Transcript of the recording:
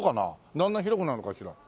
だんだん広くなるのかしら？